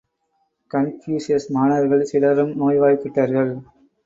Confucius மாணவர்களில் சிலரும் நோய்வாய்ப்பட்டார்கள்.